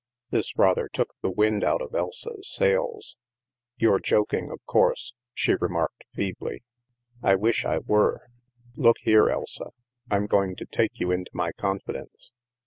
This rather took the wind out of Elsa's sails. " You're joking, of course," she remarked feebly. " I wish I were. Look here, Elsa, I'm going to take you into my confidence.